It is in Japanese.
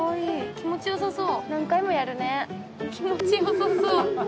気持ちよさそうだね。